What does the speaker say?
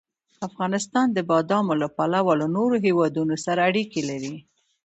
افغانستان د بادامو له پلوه له نورو هېوادونو سره اړیکې لري.